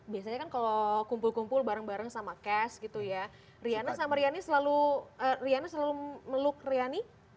biasanya kan kalau kumpul kumpul bareng bareng sama cash gitu ya riana sama riani selalu riana selalu meluk riani